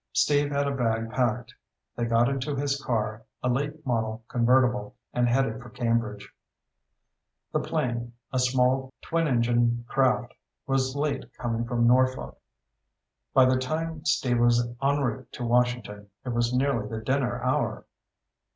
Steve had a bag packed. They got into his car, a late model convertible, and headed for Cambridge. The plane, a small twin engine craft, was late coming from Norfolk. By the time Steve was en route to Washington, it was nearly the dinner hour.